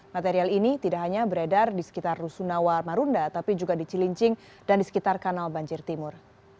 material ini tidak hanya beredar di sekitar rusunawar marunda tapi juga di cilincing dan di sekitar kanal banjir timur